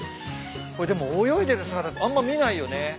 これでも泳いでる姿あんま見ないよね。